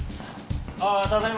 ああただいま。